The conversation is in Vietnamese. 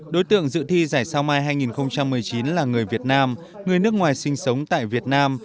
đối tượng dự thi giải sao mai hai nghìn một mươi chín là người việt nam người nước ngoài sinh sống tại việt nam